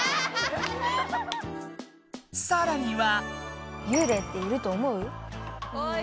さらには。